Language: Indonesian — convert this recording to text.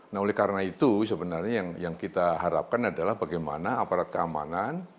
nah oleh karena itu sebenarnya yang kita harapkan adalah bagaimana aparat keamanan